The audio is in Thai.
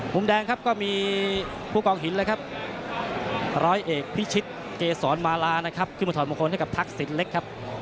มุมแดงก็มีผู้กองหินร้อยเอกพิชิตเกษรมาลาขึ้นมาถอดมงคลให้กับทักษิตเล็ก